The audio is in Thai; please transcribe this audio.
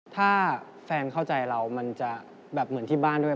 ถ้าแฟนเข้าใจเรามันจะแบบเหมือนที่บ้านด้วย